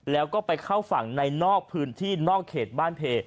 แล้วก็ไปเข้าฝั่งในนอกพื้นที่นอกเขตบ้านเพ